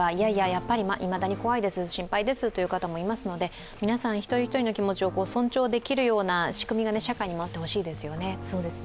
やっぱりいまだに怖いです心配ですという方も多いので皆さん、一人一人の気持ちを尊重できるような仕組みが社会にもあってほしいですよね。